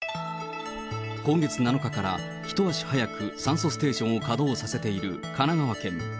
今月７日から一足早く酸素ステーションを稼働させている神奈川県。